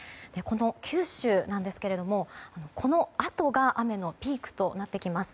九州なんですが、このあとが雨のピークとなってきます。